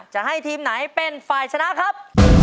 จะให้ทีมไหนเป็นฝ่ายชนะครับ